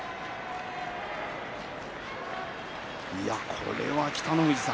これは北の富士さん。